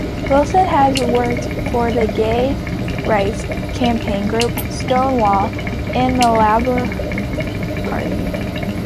Wilson has worked for the gay rights campaign group Stonewall and the Labour Party.